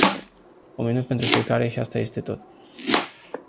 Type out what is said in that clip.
Un minut pentru fiecare și asta este tot.